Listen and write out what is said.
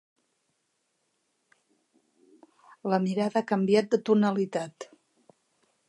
La mirada ha canviat de tonalitat.